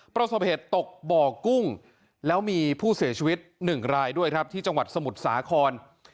ปราสบเผ็ดตกบ่อกุ้งแล้วมีผู้เสียชีวิตหนึ่งรายด้วยครับที่จังหวัดสมุดสอน